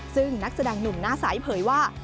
ซึ่งนักแสดงหนุ่มหน้าใสเผยว่า